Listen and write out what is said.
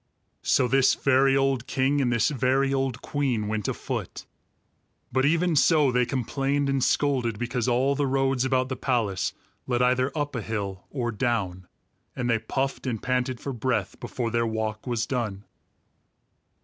So this very old king and this very old queen went afoot; but even so, they complained and scolded because all the roads about the palace led either up a hill or down, and they puffed and panted for breath before their walk was done.